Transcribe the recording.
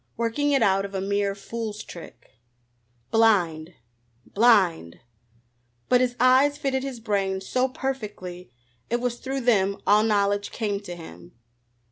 Working it out of a mere fool's trick! Blind? Blind? But his eyes fitted his brain so perfectly it was through them all knowledge came to him.